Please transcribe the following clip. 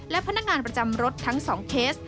และพนักงานประจำรถทั้ง๒เคส